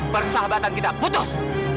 persahabatan kita putus